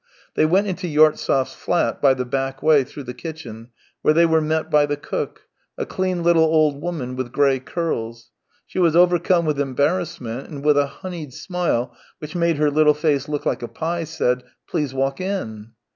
They went into Yartsev's fiat by the back way through the kitchen, where they were met by the cook, a clean little old woman with grey curls; she was overcome with embarrassment, and with a honeyed smile which made her little face look like a pie, said: " Please walk in."